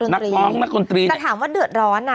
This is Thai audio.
นักร้องนักดนตรีแต่ถามว่าเดือดร้อนอ่ะ